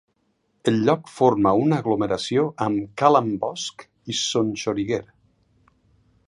El lloc forma una aglomeració amb Cala en Bosch i Son Xoriguer.